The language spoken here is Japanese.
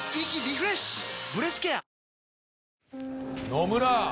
野村！